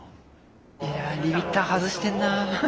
リミッター外してんな。